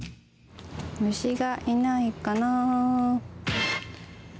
虫がいないかな？